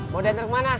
mau denger kemana